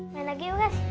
main lagi yuk guys